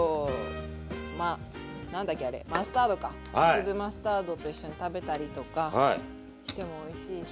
粒マスタードと一緒に食べたりとかしてもおいしいし。